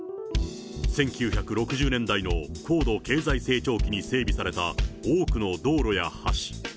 １９６０年代の高度経済成長期に整備された多くの道路や橋。